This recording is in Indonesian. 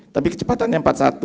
tapi kecepatannya empat puluh satu